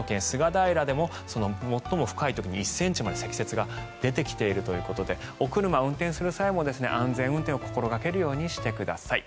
平でも最も深い時に１ｃｍまで積雪が出てきているということでお車を運転する際も安全運転を心掛けるようにしてください。